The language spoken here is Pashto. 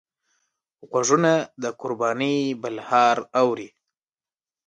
غوږونه د قربانۍ بلهار اوري